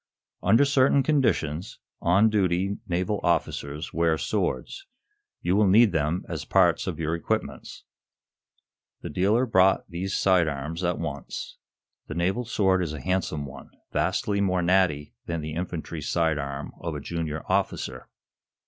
"Under certain conditions, on duty, naval officers wear swords. You will need them as parts of your equipments." The dealer brought these side arms at once. The naval sword is a handsome one, vastly more natty than the infantry side arm of a junior officer.